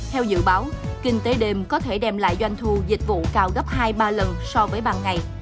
theo dự báo kinh tế đêm có thể đem lại doanh thu dịch vụ cao gấp hai ba lần so với ban ngày